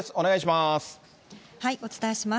お願いします。